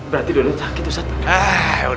berarti dodot sakit ustadz